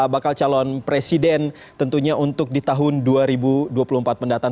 bakal calon presiden tentunya untuk di tahun dua ribu dua puluh empat mendatang